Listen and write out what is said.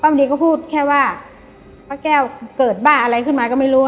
บางทีก็พูดแค่ว่าป้าแก้วเกิดบ้าอะไรขึ้นมาก็ไม่รู้